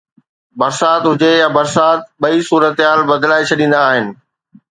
برسات هجي يا برسات، ٻئي صورتحال بدلائي ڇڏيندا آهن